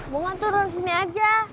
bunga turun sini aja